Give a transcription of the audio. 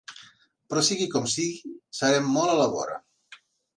Però sigui com sigui, serem molt a la vora.